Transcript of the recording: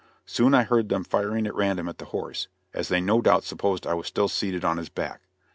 Soon I heard them firing at random at the horse, as they no doubt supposed I was still seated on his back.